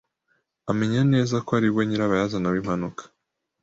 Amenya neza ko ariwe nyirabayazana wimpanuka.